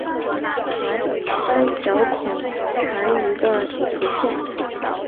白斑小孔蟾鱼的图片